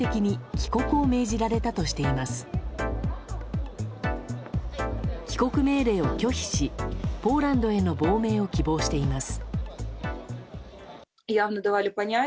帰国命令を拒否しポーランドへの亡命を希望しています。